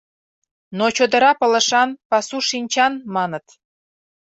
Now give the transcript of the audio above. Но чодыра пылышан, пасу шинчан, маныт.